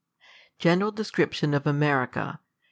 General DescriptjOiV of America.